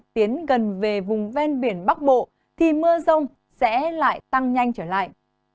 tiến gần về vùng ven biển bắc bộ thì mưa rông sẽ lại tăng nhanh trở lại